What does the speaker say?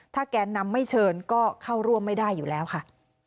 แกนนำไม่เชิญก็เข้าร่วมไม่ได้อยู่แล้วค่ะ